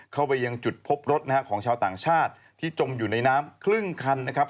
เข้าไปยังจุดพบรถนะฮะของชาวต่างชาติที่จมอยู่ในน้ำครึ่งคันนะครับ